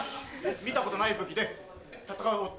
見たことない武器で戦う男